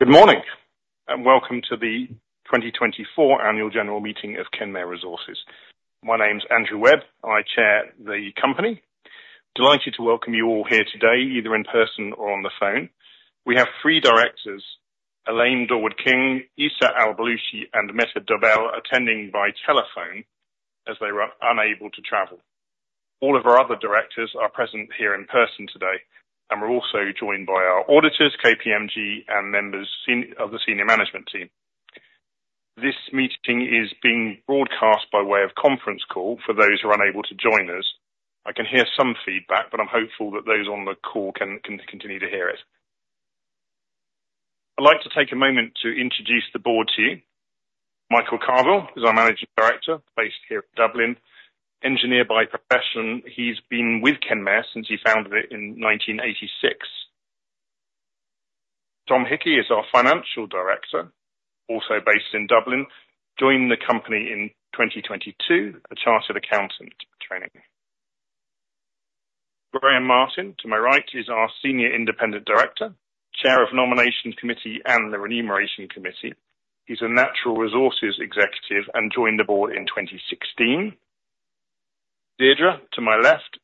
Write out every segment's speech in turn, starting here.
Good morning and welcome to the 2024 Annual General Meeting of Kenmare Resources. My name's Andrew Webb, I chair the company. Delighted to welcome you all here today, either in person or on the phone. We have three directors: Elaine Dorward-King, Issa Al Balushi, and Mette Dobel attending by telephone as they were unable to travel. All of our other directors are present here in person today, and we're also joined by our auditors, KPMG, and members of the senior management team. This meeting is being broadcast by way of conference call for those who are unable to join us. I can hear some feedback, but I'm hopeful that those on the call can continue to hear it. I'd like to take a moment to introduce the board to you. Michael Carvill is our Managing Director, based here in Dublin. Engineer by profession, he's been with Kenmare since he founded it in 1986. Tom Hickey is our Financial Director, also based in Dublin, joined the company in 2022, a chartered accountant training. Graham Martin, to my right, is our Senior Independent Director, Chair of Nomination Committee and the Remuneration Committee. He's a natural resources executive and joined the board in 2016. Deirdre, to my left.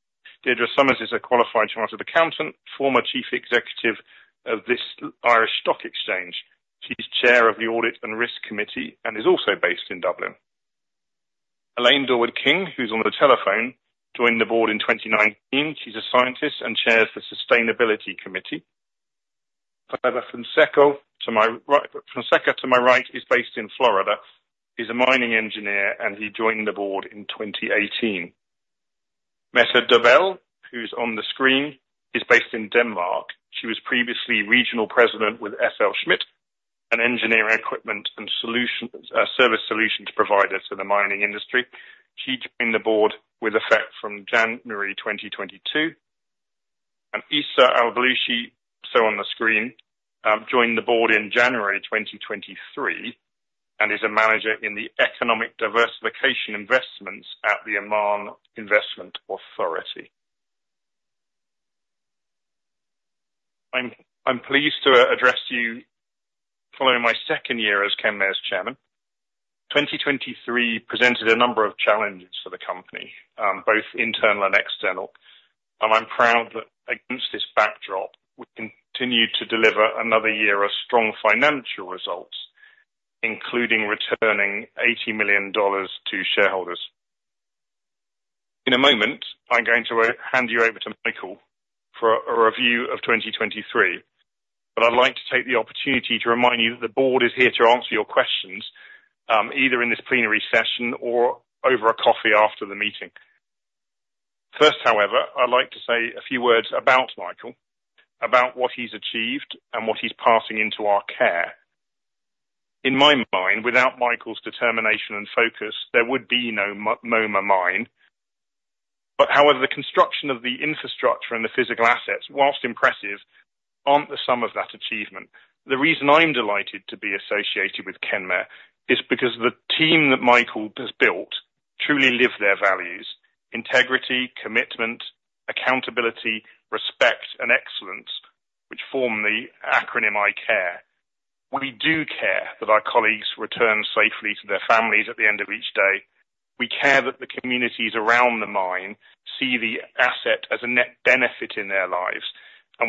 Deirdre Somers is a qualified chartered accountant, former chief executive of the Irish Stock Exchange. She's Chair of the Audit and Risk Committee and is also based in Dublin. Elaine Dorward-King, who's on the telephone, joined the board in 2019. She's a scientist and chairs the Sustainability Committee. Cleber Fonseca, to my right, is based in Florida. He's a mining engineer, and he joined the board in 2018. Mette Dobel, who's on the screen, is based in Denmark. She was previously regional president with FLSmidth, an engineering equipment and service solutions provider to the mining industry. She joined the board with effect from January 2022. Issa Al Balushi, so on the screen, joined the board in January 2023 and is a manager in the economic diversification investments at the Oman Investment Authority. I'm pleased to address you following my second year as Kenmare's Chairman. 2023 presented a number of challenges for the company, both internal and external. I'm proud that against this backdrop, we've continued to deliver another year of strong financial results, including returning $80 million to shareholders. In a moment, I'm going to hand you over to Michael for a review of 2023, but I'd like to take the opportunity to remind you that the board is here to answer your questions, either in this plenary session or over a coffee after the meeting. First, however, I'd like to say a few words about Michael, about what he's achieved and what he's passing into our care. In my mind, without Michael's determination and focus, there would be no Moma Mine. But however, the construction of the infrastructure and the physical assets, while impressive, aren't the sum of that achievement. The reason I'm delighted to be associated with Kenmare is because the team that Michael has built truly lives their values: integrity, commitment, accountability, respect, and excellence, which form the acronym ICARE. We do care that our colleagues return safely to their families at the end of each day. We care that the communities around the mine see the asset as a net benefit in their lives.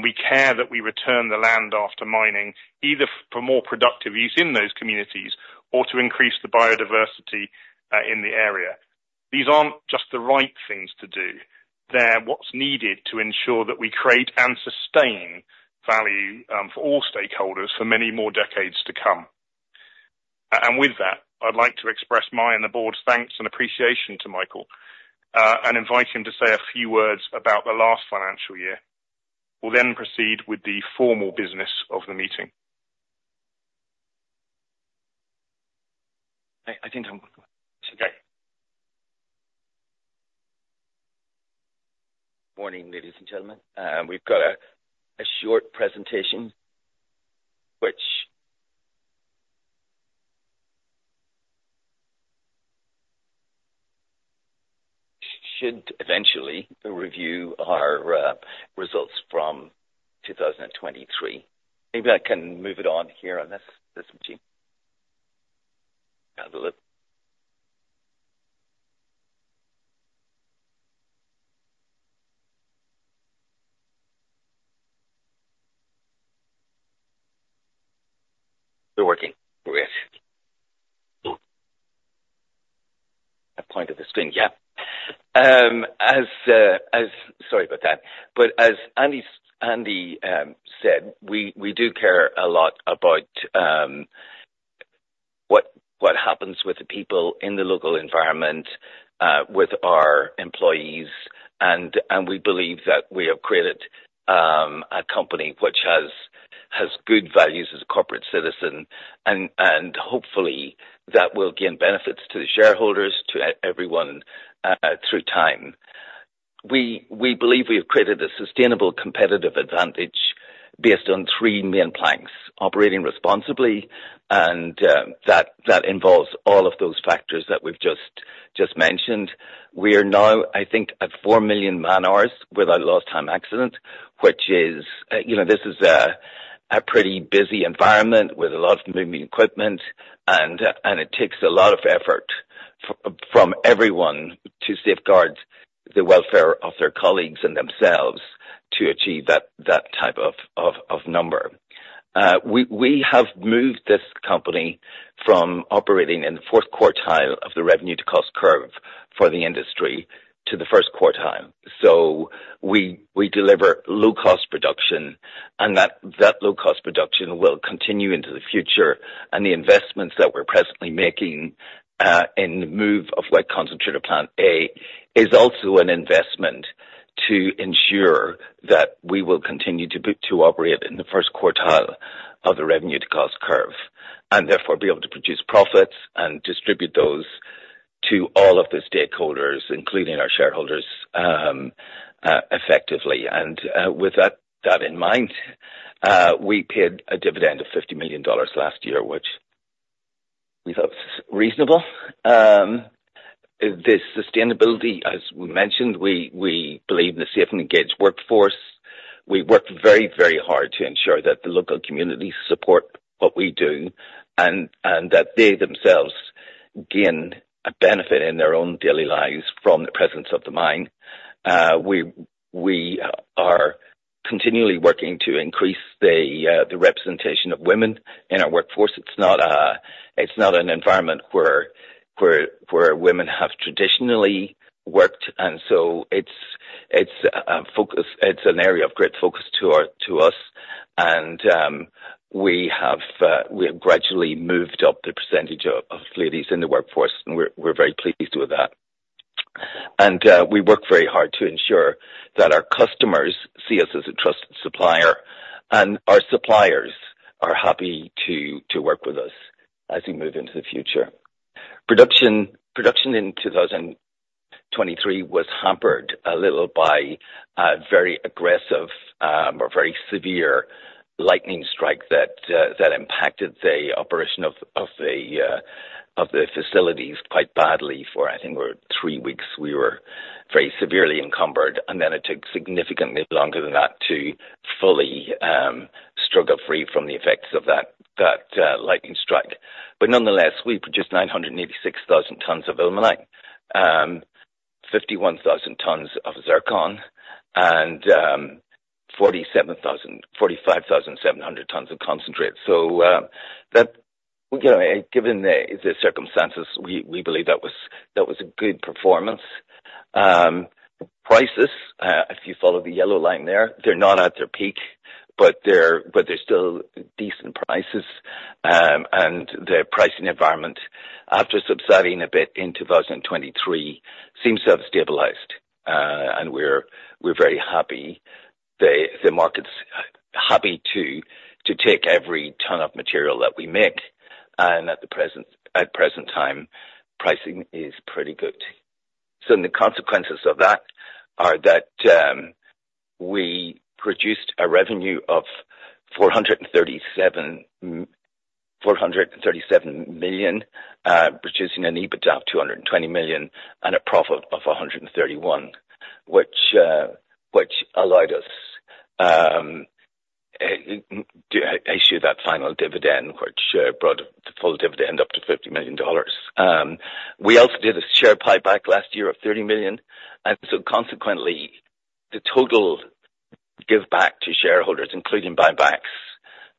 We care that we return the land after mining, either for more productive use in those communities or to increase the biodiversity in the area. These aren't just the right things to do. They're what's needed to ensure that we create and sustain value for all stakeholders for many more decades to come. And with that, I'd like to express my and the board's thanks and appreciation to Michael and invite him to say a few words about the last financial year. We'll then proceed with the formal business of the meeting. I think I'm good. Okay. Morning, ladies and gentlemen. We've got a short presentation which should eventually review our results from 2023. Maybe I can move it on here on this machine. They're working. Great. At the point of the screen, yeah. Sorry about that. But as Andy said, we do care a lot about what happens with the people in the local environment, with our employees. We believe that we have created a company which has good values as a corporate citizen. Hopefully, that will gain benefits to the shareholders, to everyone through time. We believe we have created a sustainable competitive advantage based on three main planks: operating responsibly, and that involves all of those factors that we've just mentioned. We are now, I think, at four million man-hours without lost-time accident, which is a pretty busy environment with a lot of moving equipment, and it takes a lot of effort from everyone to safeguard the welfare of their colleagues and themselves to achieve that type of number. We have moved this company from operating in the fourth quartile of the revenue-to-cost curve for the industry to the first quartile. So we deliver low-cost production, and that low-cost production will continue into the future. The investments that we're presently making in the move of Wet Concentrator Plant A is also an investment to ensure that we will continue to operate in the first quartile of the revenue-to-cost curve and, therefore, be able to produce profits and distribute those to all of the stakeholders, including our shareholders, effectively. With that in mind, we paid a dividend of $50 million last year, which we thought was reasonable. This sustainability, as we mentioned, we believe in a safe and engaged workforce. We work very, very hard to ensure that the local communities support what we do and that they themselves gain a benefit in their own daily lives from the presence of the mine. We are continually working to increase the representation of women in our workforce. It's not an environment where women have traditionally worked. So it's an area of great focus to us. We have gradually moved up the percentage of ladies in the workforce, and we're very pleased with that. We work very hard to ensure that our customers see us as a trusted supplier, and our suppliers are happy to work with us as we move into the future. Production in 2023 was hampered a little by a very aggressive or very severe lightning strike that impacted the operation of the facilities quite badly for, I think, three weeks. We were very severely encumbered. Then it took significantly longer than that to fully struggle free from the effects of that lightning strike. Nonetheless, we produced 986,000 tons of ilmenite, 51,000 tons of zircon, and 45,700 tons of concentrate. Given the circumstances, we believe that was a good performance. Prices, if you follow the yellow line there, they're not at their peak, but they're still decent prices. The pricing environment, after subsiding a bit in 2023, seems to have stabilized. We're very happy. The market's happy to take every ton of material that we make. At the present time, pricing is pretty good. So the consequences of that are that we produced a revenue of $437 million, producing an EBITDA of $220 million and a profit of $131 million, which allowed us to issue that final dividend, which brought the full dividend up to $50 million. We also did a share payback last year of $30 million. And so consequently, the total give-back to shareholders, including buybacks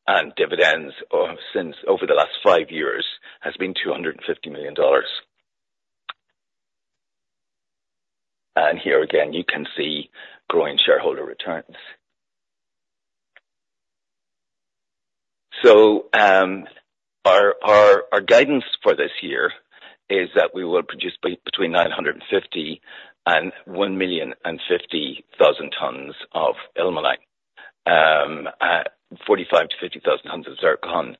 and dividends over the last five years, has been $250 million. And here again, you can see growing shareholder returns. So our guidance for this year is that we will produce between 950,000-1,050,000 tons of ilmenite, 45,000-50,000 tons of zircon,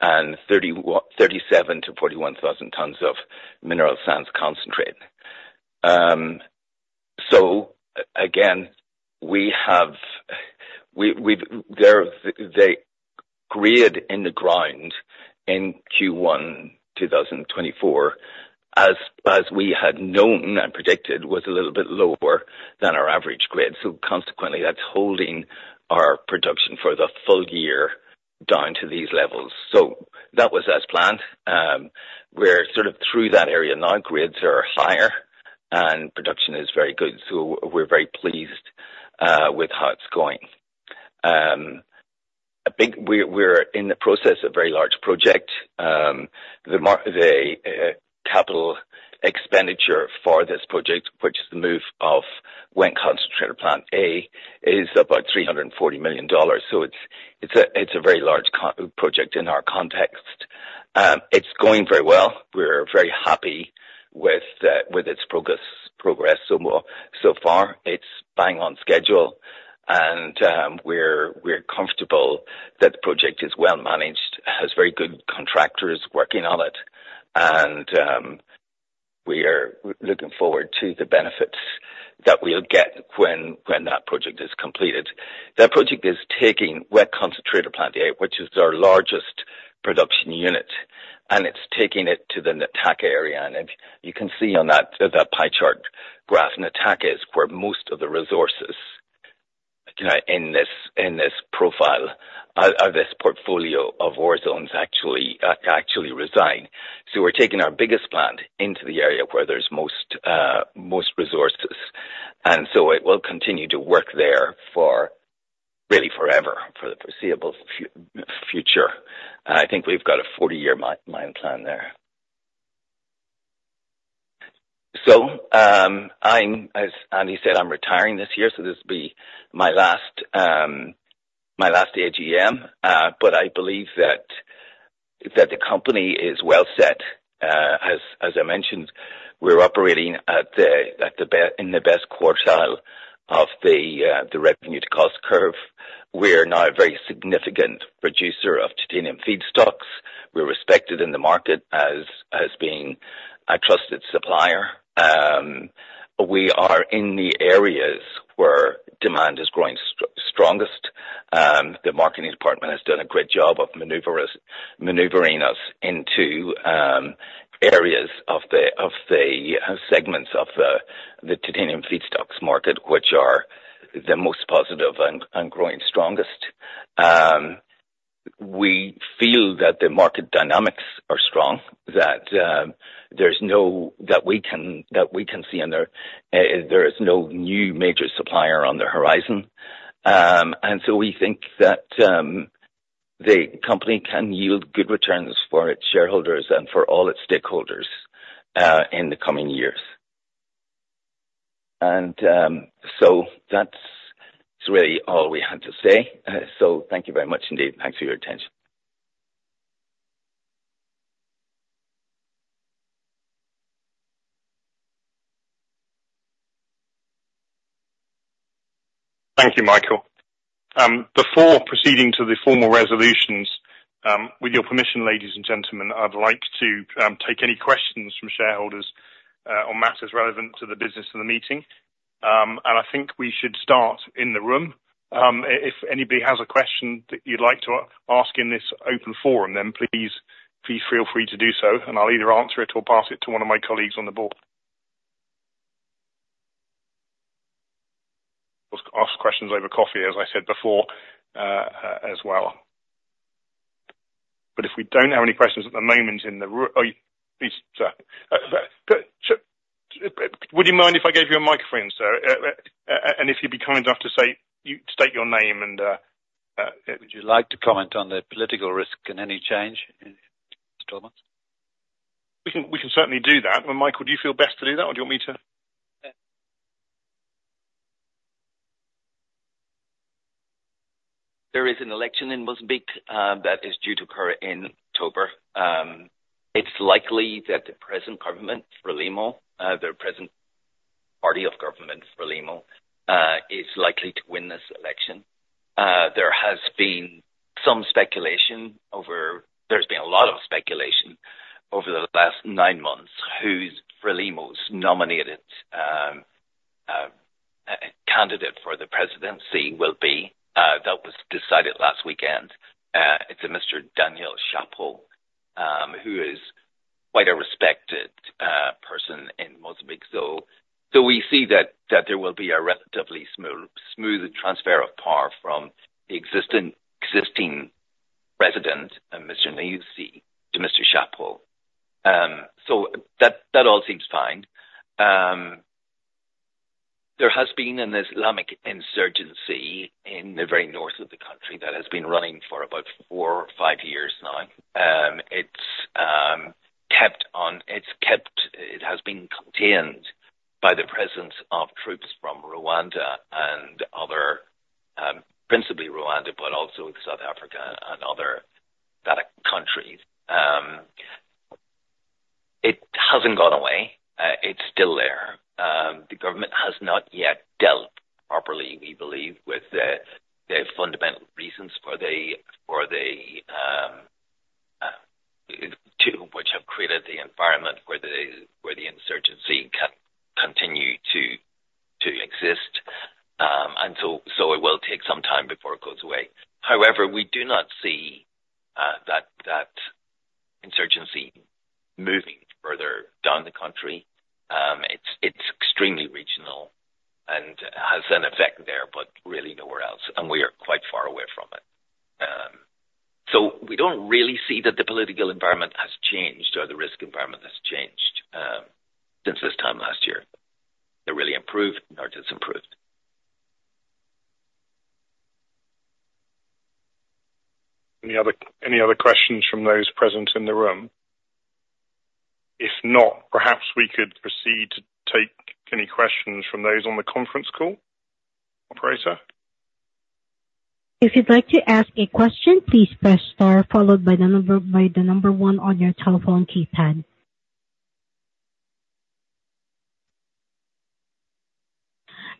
and 37,000-41,000 tons of mineral sands concentrate. So again, the grade in the ground in Q1 2024, as we had known and predicted, was a little bit lower than our average grade. So consequently, that's holding our production for the full year down to these levels. So that was as planned. We're sort of through that area now. Grids are higher, and production is very good. So we're very pleased with how it's going. We're in the process of a very large project. The capital expenditure for this project, which is the move of Wet Concentrator Plant A, is about $340 million. So it's a very large project in our context. It's going very well. We're very happy with its progress so far. It's bang on schedule. And we're comfortable that the project is well managed, has very good contractors working on it. And we are looking forward to the benefits that we'll get when that project is completed. That project is taking Wet Concentrator Plant A, which is our largest production unit, and it's taking it to the Nataka area. You can see on that pie chart graph, Nataka is where most of the resources in this profile or this portfolio of ore zones actually reside. So we're taking our biggest plant into the area where there's most resources. And so it will continue to work there really forever, for the foreseeable future. I think we've got a 40-year mine plan there. So as Andy said, I'm retiring this year. So this will be my last AGM. But I believe that the company is well set. As I mentioned, we're operating in the best quartile of the revenue-to-cost curve. We're now a very significant producer of titanium feedstocks. We're respected in the market as being a trusted supplier. We are in the areas where demand is growing strongest. The marketing department has done a great job of maneuvering us into areas of the segments of the titanium feedstocks market, which are the most positive and growing strongest. We feel that the market dynamics are strong, that there's no new major supplier that we can see on the horizon. So we think that the company can yield good returns for its shareholders and for all its stakeholders in the coming years. So that's really all we had to say. So thank you very much, indeed. Thanks for your attention. Thank you, Michael. Before proceeding to the formal resolutions, with your permission, ladies and gentlemen, I'd like to take any questions from shareholders on matters relevant to the business of the meeting. I think we should start in the room. If anybody has a question that you'd like to ask in this open forum, then please feel free to do so. I'll either answer it or pass it to one of my colleagues on the board. Ask questions over coffee, as I said before, as well. But if we don't have any questions at the moment in the room, please, sir. Would you mind if I gave you a microphone, sir? If you'd be kind enough to state your name and. Would you like to comment on the political risk in any change, Mr. Tollman? We can certainly do that. Michael, do you feel best to do that, or do you want me to? There is an election in Mozambique that is due to occur in October. It's likely that the present government for FRELIMO, the present party of government for FRELIMO, is likely to win this election. There has been some speculation over there's been a lot of speculation over the last nine months who's FRELIMO's nominated candidate for the presidency will be. That was decided last weekend. It's a Mr. Daniel Chapo, who is quite a respected person in Mozambique. So we see that there will be a relatively smooth transfer of power from the existing president, Mr. Nyusi, to Mr. Chapo. So that all seems fine. There has been an Islamic insurgency in the very north of the country that has been running for about four or five years now. It's kept on. It has been contained by the presence of troops from Rwanda and other principally Rwanda, but also South Africa and other countries. It hasn't gone away. It's still there. The government has not yet dealt properly, we believe, with the fundamental reasons for the two, which have created the environment where the insurgency can continue to exist. So it will take some time before it goes away. However, we do not see that insurgency moving further down the country. It's extremely regional and has an effect there, but really nowhere else. We are quite far away from it. So we don't really see that the political environment has changed or the risk environment has changed since this time last year. They're really improved nor disimproved. Any other questions from those present in the room? If not, perhaps we could proceed to take any questions from those on the conference call, operator. If you'd like to ask a question, please press star followed by the number one on your telephone keypad.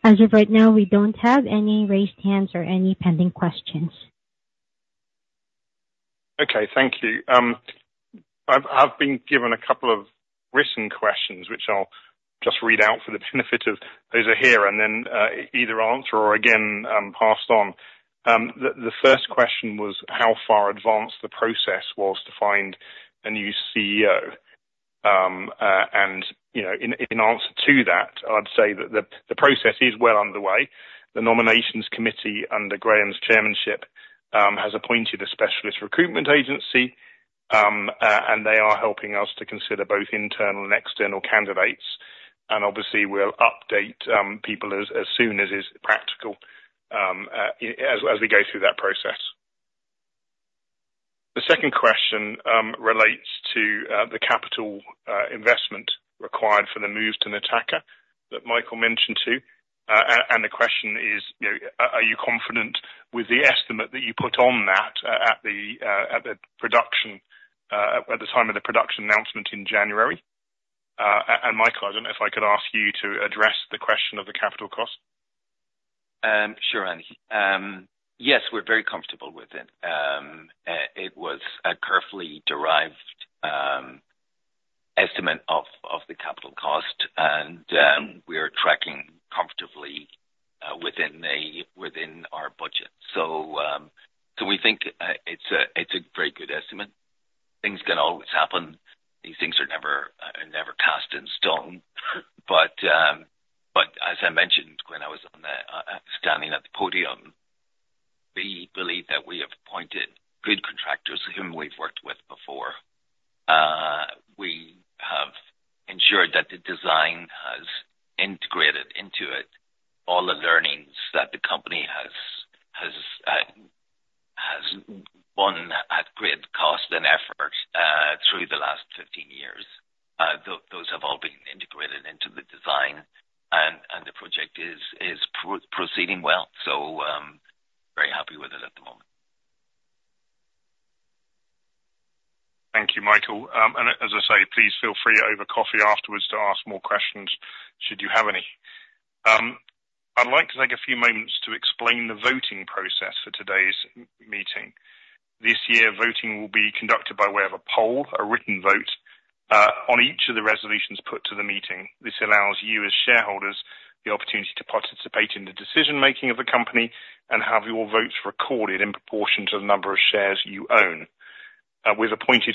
As of right now, we don't have any raised hands or any pending questions. Okay. Thank you. I've been given a couple of written questions, which I'll just read out for the benefit of those who are here and then either answer or, again, pass on. The first question was how far advanced the process was to find a new CEO. In answer to that, I'd say that the process is well underway. The Nomination Committee under Graham's chairmanship has appointed a specialist recruitment agency. They are helping us to consider both internal and external candidates. Obviously, we'll update people as soon as it's practical as we go through that process. The second question relates to the capital investment required for the move to Nataka that Michael mentioned too. The question is, are you confident with the estimate that you put on that at the production at the time of the production announcement in January? Michael, I don't know if I could ask you to address the question of the capital cost. Sure, Andy. Yes, we're very comfortable with it. It was a carefully derived estimate of the capital cost. We are tracking comfortably within our budget. We think it's a very good estimate. Things can always happen. These things are never cast in stone. But as I mentioned when I was standing at the podium, we believe that we have appointed good contractors whom we've worked with before. We have ensured that the design has integrated into it all the learnings that the company has won at great cost and effort through the last 15 years. Those have all been integrated into the design. The project is proceeding well. So very happy with it at the moment. Thank you, Michael. And as I say, please feel free over coffee afterwards to ask more questions should you have any. I'd like to take a few moments to explain the voting process for today's meeting. This year, voting will be conducted by way of a poll, a written vote, on each of the resolutions put to the meeting. This allows you as shareholders the opportunity to participate in the decision-making of the company and have your votes recorded in proportion to the number of shares you own. With Computershare appointed,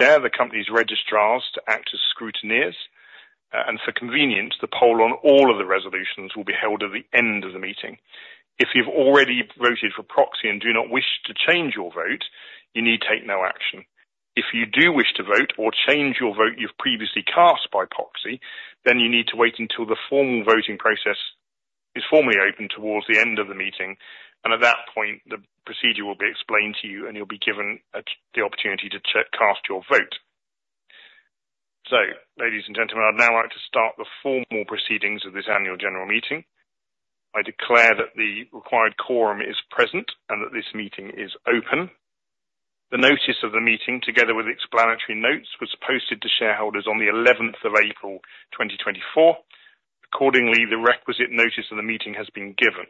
the company's registrars to act as scrutineers. And for convenience, the poll on all of the resolutions will be held at the end of the meeting. If you've already voted by proxy and do not wish to change your vote, you need to take no action. If you do wish to vote or change your vote you've previously cast by proxy, then you need to wait until the formal voting process is formally open towards the end of the meeting. At that point, the procedure will be explained to you, and you'll be given the opportunity to cast your vote. Ladies and gentlemen, I'd now like to start the formal proceedings of this annual general meeting. I declare that the required quorum is present and that this meeting is open. The notice of the meeting, together with explanatory notes, was posted to shareholders on the 11th of April, 2024. Accordingly, the requisite notice of the meeting has been given.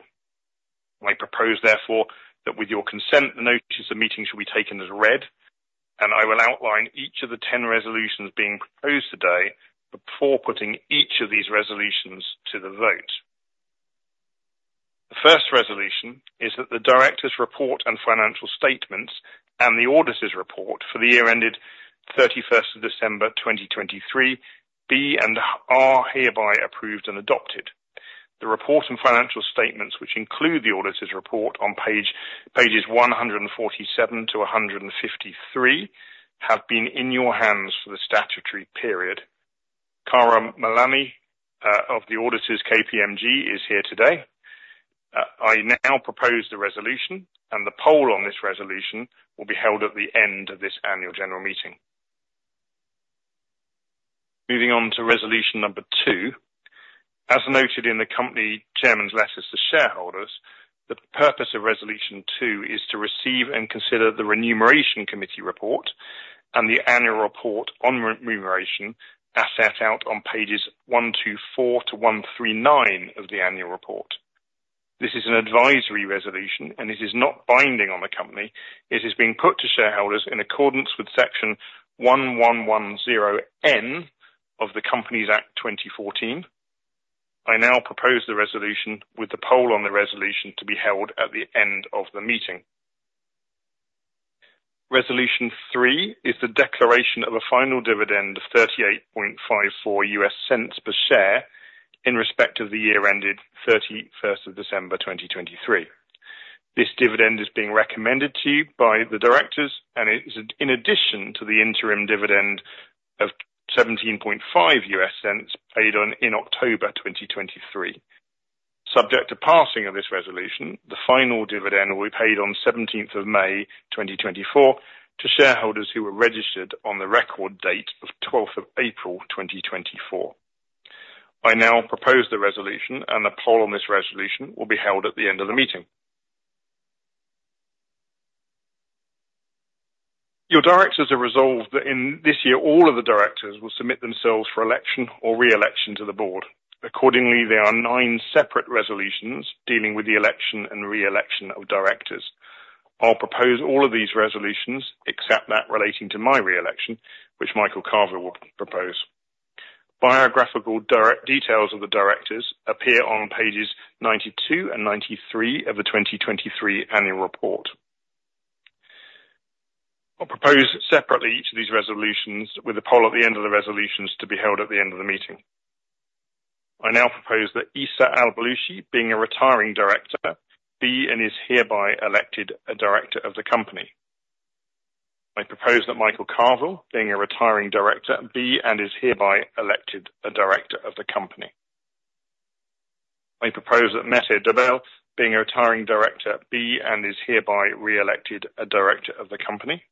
I propose, therefore, that with your consent, the notice of meeting should be taken as read. I will outline each of the 10 resolutions being proposed today before putting each of these resolutions to the vote. The first resolution is that the director's report and financial statements and the auditor's report for the year ended 31st of December, 2023, be and are hereby approved and adopted. The report and financial statements, which include the auditor's report on pages 147-153, have been in your hands for the statutory period. Cara Moloney of the auditors KPMG is here today. I now propose the resolution. The poll on this resolution will be held at the end of this annual general meeting. Moving on to resolution number 2. As noted in the company chairman's letters to shareholders, the purpose of resolution two is to receive and consider the remuneration committee report and the annual report on remuneration as set out on pages 124-139 of the annual report. This is an advisory resolution, and it is not binding on the company. It is being put to shareholders in accordance with section 1110N of the Companies Act, 2014. I now propose the resolution with the poll on the resolution to be held at the end of the meeting. Resolution three is the declaration of a final dividend of $0.3854 per share in respect of the year ended 31st of December, 2023. This dividend is being recommended to you by the directors, and it is in addition to the interim dividend of $0.175 paid in October, 2023. Subject to passing of this resolution, the final dividend will be paid on 17th of May, 2024, to shareholders who were registered on the record date of 12th of April, 2024. I now propose the resolution, and the poll on this resolution will be held at the end of the meeting. Your directors are resolved that in this year, all of the directors will submit themselves for election or re-election to the board. Accordingly, there are nine separate resolutions dealing with the election and re-election of directors. I'll propose all of these resolutions except that relating to my re-election, which Michael Carvill will propose. Biographical details of the directors appear on pages 92 and 93 of the 2023 annual report. I'll propose separately each of these resolutions with a poll at the end of the resolutions to be held at the end of the meeting. I now propose that Issa Al Balushi, being a retiring director, be and is hereby elected a director of the company. I propose that Michael Carvill, being a retiring director, be and is hereby elected a director of the company. I propose that Mette Dobel, being a retiring director, be and is hereby re-elected a director of the company.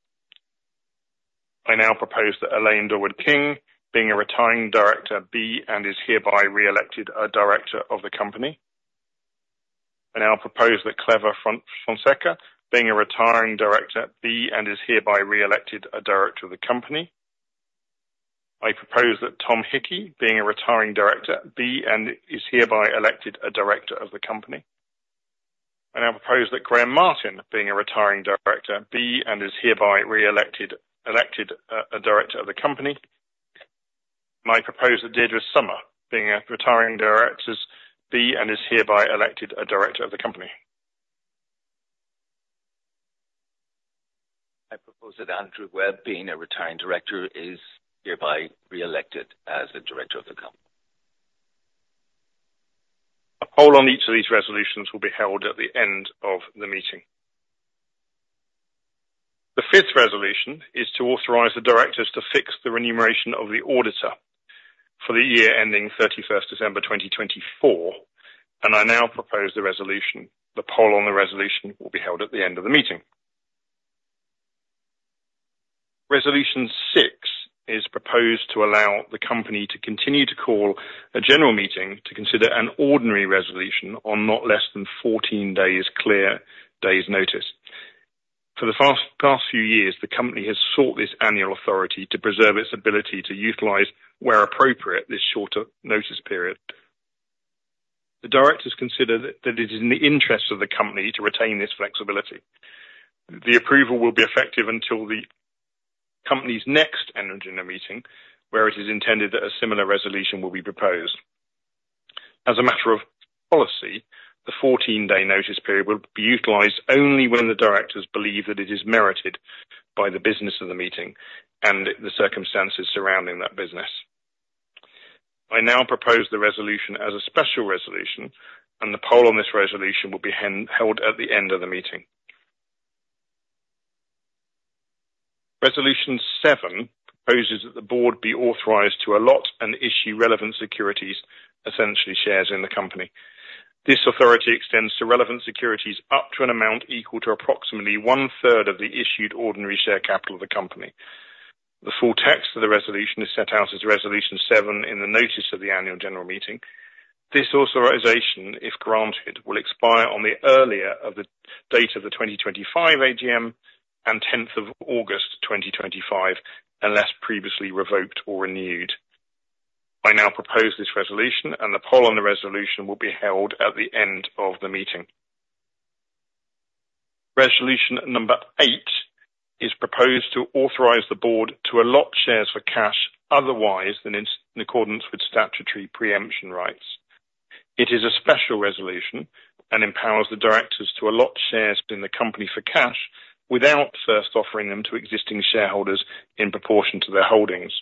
I now propose that Elaine Dorward-King, being a retiring director, be and is hereby re-elected a director of the company. I now propose that Clever Fonseca, being a retiring director, be and is hereby re-elected a director of the company. I propose that Tom Hickey, being a retiring director, be and is hereby elected a director of the company. I now propose that Graham Martin, being a retiring director, be and is hereby re-elected a director of the company. I propose that Deirdre Somers, being a retiring director, be and is hereby elected a director of the company. I propose that Andrew Webb, being a retiring director, is hereby re-elected as a director of the company. A poll on each of these resolutions will be held at the end of the meeting. The fifth resolution is to authorize the directors to fix the remuneration of the auditor for the year ending 31st December, 2024. I now propose the resolution. The poll on the resolution will be held at the end of the meeting. Resolution six is proposed to allow the company to continue to call a general meeting to consider an ordinary resolution on not less than 14 clear days' notice. For the past few years, the company has sought this annual authority to preserve its ability to utilize where appropriate this shorter notice period. The directors consider that it is in the interest of the company to retain this flexibility. The approval will be effective until the company's next annual general meeting, where it is intended that a similar resolution will be proposed. As a matter of policy, the 14-day notice period will be utilized only when the directors believe that it is merited by the business of the meeting and the circumstances surrounding that business. I now propose the resolution as a special resolution. The poll on this resolution will be held at the end of the meeting. Resolution seven proposes that the board be authorized to allot and issue relevant securities, essentially shares in the company. This authority extends to relevant securities up to an amount equal to approximately one-third of the issued ordinary share capital of the company. The full text of the resolution is set out as resolution seven in the notice of the annual general meeting. This authorization, if granted, will expire on the earlier of the date of the 2025 AGM and 10th of August, 2025, unless previously revoked or renewed. I now propose this resolution. The poll on the resolution will be held at the end of the meeting. Resolution number 8 is proposed to authorize the board to allot shares for cash otherwise than in accordance with statutory preemption rights. It is a special resolution and empowers the directors to allot shares in the company for cash without first offering them to existing shareholders in proportion to their holdings.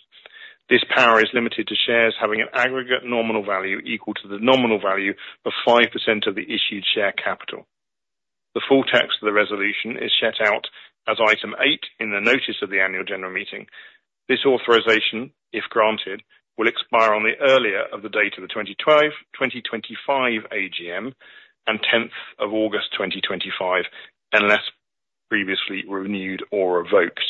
This power is limited to shares having an aggregate nominal value equal to the nominal value of 5% of the issued share capital. The full text of the resolution is set out as item 8 in the notice of the annual general meeting. This authorisation, if granted, will expire on the earlier of the date of the 2024-2025 AGM and 10th of August, 2025, unless previously renewed or revoked.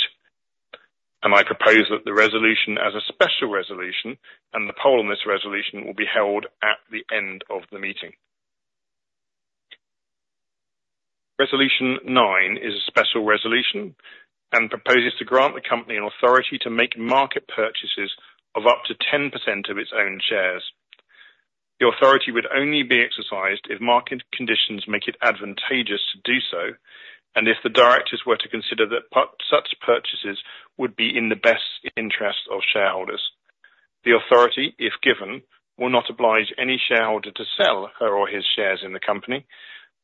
I propose that the resolution as a special resolution and the poll on this resolution will be held at the end of the meeting. Resolution nine is a special resolution and proposes to grant the company an authority to make market purchases of up to 10% of its own shares. The authority would only be exercised if market conditions make it advantageous to do so and if the directors were to consider that such purchases would be in the best interests of shareholders. The authority, if given, will not oblige any shareholder to sell her or his shares in the company.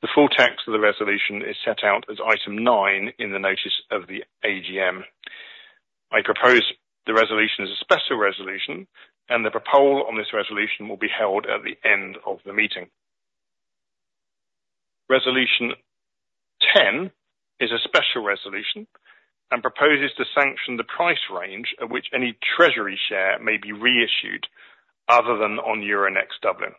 The full text of the resolution is set out as item nine in the notice of the AGM. I propose the resolution as a special resolution. The poll on this resolution will be held at the end of the meeting. Resolution 10 is a special resolution and proposes to sanction the price range at which any treasury share may be reissued other than on Euronext Dublin.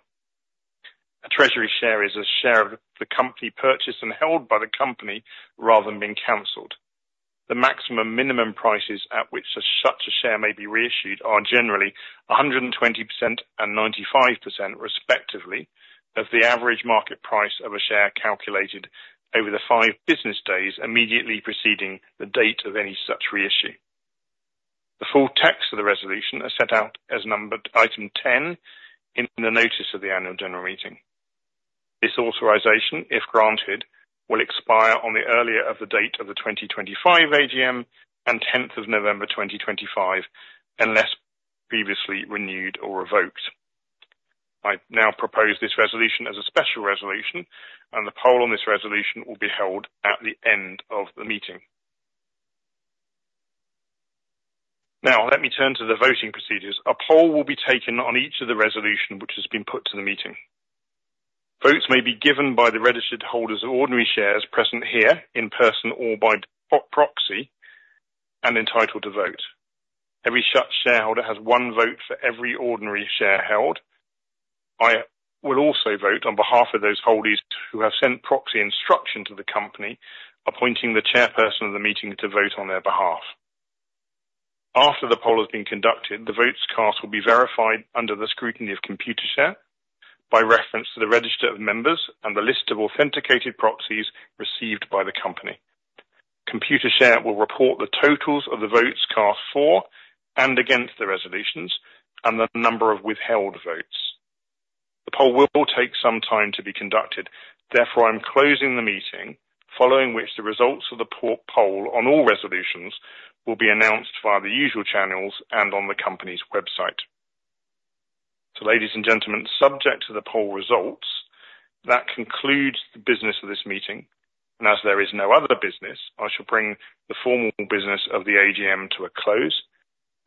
A treasury share is a share of the company purchased and held by the company rather than being cancelled. The maximum minimum prices at which such a share may be reissued are generally 120% and 95%, respectively, of the average market price of a share calculated over the five business days immediately preceding the date of any such reissue. The full text of the resolution is set out as item 10 in the notice of the annual general meeting. This authorisation, if granted, will expire on the earlier of the date of the 2025 AGM and 10th of November, 2025, unless previously renewed or revoked. I now propose this resolution as a special resolution. The poll on this resolution will be held at the end of the meeting. Now, let me turn to the voting procedures. A poll will be taken on each of the resolutions which has been put to the meeting. Votes may be given by the registered holders of ordinary shares present here in person or by proxy and entitled to vote. Every shareholder has one vote for every ordinary share held. I will also vote on behalf of those holders who have sent proxy instruction to the company, appointing the chairperson of the meeting to vote on their behalf. After the poll has been conducted, the votes cast will be verified under the scrutiny of Computershare by reference to the register of members and the list of authenticated proxies received by the company. Computershare will report the totals of the votes cast for and against the resolutions and the number of withheld votes. The poll will take some time to be conducted. Therefore, I'm closing the meeting, following which the results of the poll on all resolutions will be announced via the usual channels and on the company's website. So ladies and gentlemen, subject to the poll results, that concludes the business of this meeting. And as there is no other business, I shall bring the formal business of the AGM to a close.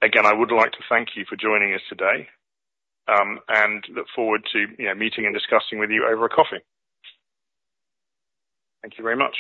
Again, I would like to thank you for joining us today and look forward to meeting and discussing with you over a coffee. Thank you very much.